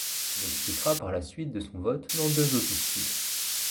Il s'expliquera par la suite de son vote dans deux opuscules.